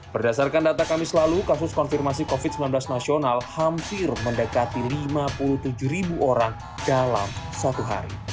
berdasarkan data kami selalu kasus konfirmasi covid sembilan belas nasional hampir mendekati lima puluh tujuh ribu orang dalam satu hari